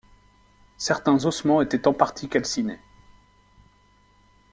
Certains ossements étaient en partie calcinés.